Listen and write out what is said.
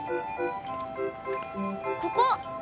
ここ！